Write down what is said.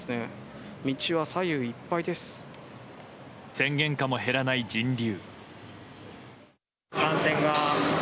宣言下も減らない人流。